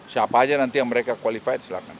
siapa aja nanti yang mereka qualified silahkan